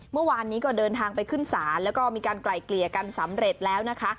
เมื่อวานนี้ก็เดินทางไปขึ้นศาลแล้วก็มีการไกล่เกลี่ยกันสำเร็จแล้วนะคะ